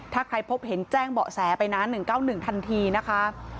ถ้าใครพบเห็นแจ้งเบาะแสไปนะ๑๙๑ทันทีนะคะ